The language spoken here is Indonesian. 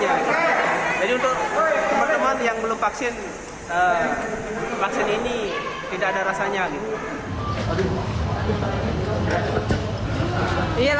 jadi untuk teman teman yang belum vaksin vaksin ini tidak ada rasanya